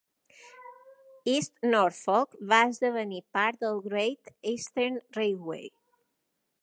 East Norfolk va esdevenir part del Great Eastern Railway.